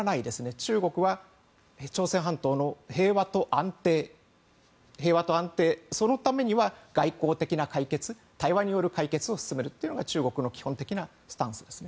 中国は朝鮮半島の平和と安定そのためには、外交的な解決対話による解決を進めるというのが中国の基本的なスタンスです。